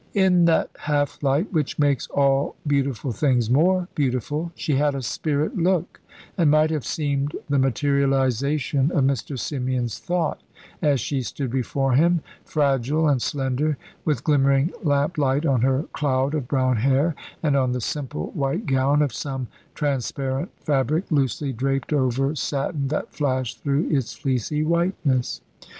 In that half light which makes all beautiful things more beautiful, she had a spirit look, and might have seemed the materialisation of Mr. Symeon's thought, as she stood before him, fragile and slender, with glimmering lamplight on her cloud of brown hair, and on the simple white gown, of some transparent fabric, loosely draped over satin that flashed through its fleecy whiteness.